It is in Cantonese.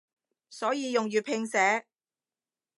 所以用粵拼寫